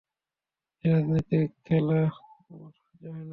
এই রাজনৈতিক খেলা আমার সহ্য হয় না।